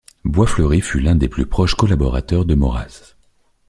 Boisfleury fut l'un des plus proches collaborateurs de Maurras.